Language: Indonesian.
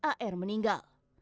pada tiga puluh maret ar meninggal